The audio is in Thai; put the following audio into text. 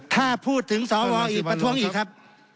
ถ้าพูดถึงสวอีกประท้วงอีกครับ